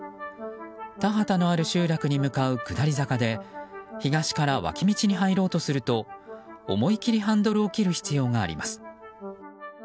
田畑のある集落に向かう下り坂で東から脇道に入ろうとすると思いきりハンドルを切る必要があります。